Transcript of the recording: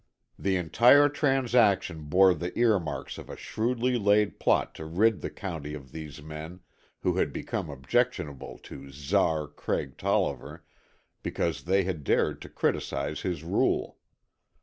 The entire transaction bore the ear marks of a shrewdly laid plot to rid the county of these men, who had become objectionable to Czar Craig Tolliver because they had dared to criticise his rule.